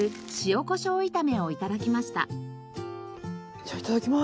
じゃあいただきます。